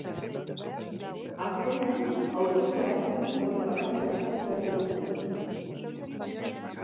Azkenean, aurkezleak publikoari barkamena eskatu behar izan zion.